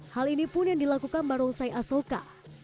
hal ini pun yang dilakukan barongsai asoka